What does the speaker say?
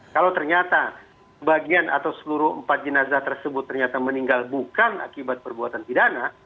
kalau ternyata sebagian atau seluruh empat jenazah tersebut ternyata meninggal bukan akibat perbuatan pidana